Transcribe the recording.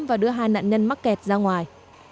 và đưa hai nạn nhân mắc kẹt ra ngoài